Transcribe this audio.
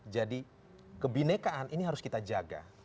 jadi kebinekaan ini harus kita jaga